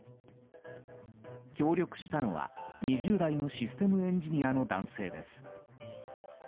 協力したのは２０代のシステムエンジニアの男性です。